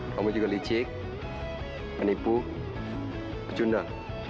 kamu juga licik menipu pecundang